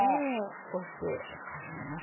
こうしておかずになさるのも。